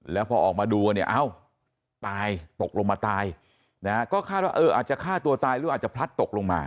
แล้วพอออกมาดูกันเนี่ยเอ้าตายตกลงมาตายนะฮะก็คาดว่าเอออาจจะฆ่าตัวตายหรืออาจจะพลัดตกลงมา